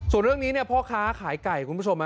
ส่วนเรื่องนี้พ่อค้าขายไก่คุณผู้ชม